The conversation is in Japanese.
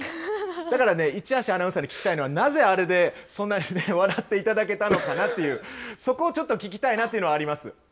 だから、一橋アナウンサーに聞きたいのは、なぜあれでそんなに笑っていただけたのかなっていう、そこを聞きたいなというのはあります。